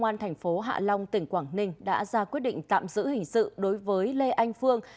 công an thành phố hạ long tỉnh quảng ninh đã ra quyết định tạm giữ hình sự đối với lê anh phương